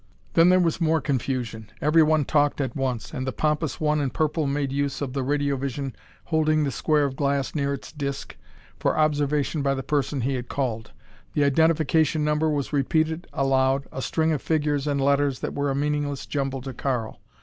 Then there was more confusion. Everyone talked at once and the pompous one in purple made use of the radiovision, holding the square of glass near its disc for observation by the person he had called. The identification number was repeated aloud, a string of figures and letters that were a meaningless jumble to Karl.